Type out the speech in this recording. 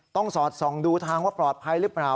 สอดส่องดูทางว่าปลอดภัยหรือเปล่า